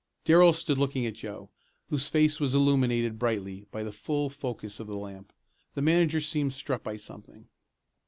Darrell stood looking at Joe, whose face was illuminated brightly by the full focus of the lamp. The manager seemed struck by something.